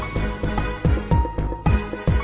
กินโทษส่องแล้วอย่างนี้ก็ได้